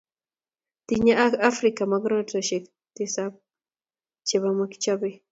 tinyei Afrika mogornotosiek tisab che mokichobei